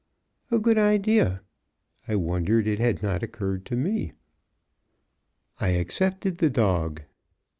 A good idea; I wondered it had not occurred to me. I accepted the dog.